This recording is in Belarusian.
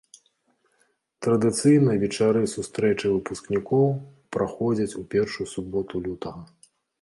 Традыцыйна вечары сустрэчы выпускнікоў праходзяць у першую суботу лютага.